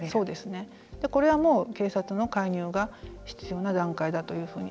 これはもう警察の介入が必要な段階だというふうに。